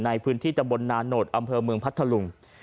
ในพื้นที่ตำบลนาโนธอำเภอเมืองพัทธลุง